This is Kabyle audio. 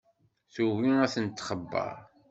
Tugi ad ten-txebber.